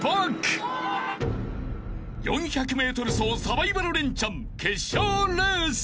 ［４００ｍ走サバイバルレンチャン決勝レース］